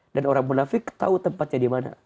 dan orang munafik tahu tempatnya di mana